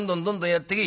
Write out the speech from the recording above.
「やってけ？